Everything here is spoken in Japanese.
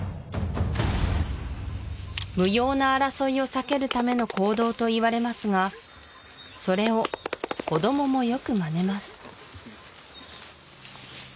無用な争いを避けるための行動といわれますがそれを子どももよくマネます